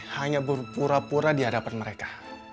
hanya berpura pura di hadapan mereka